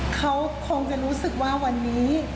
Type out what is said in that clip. เขาคงจะรู้สึกว่าวันนี้